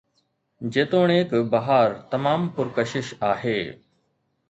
جيتوڻيڪ بهار تمام پرڪشش آهي